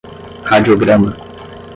radiograma